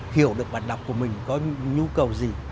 hiểu được bản đọc của mình có nhu cầu gì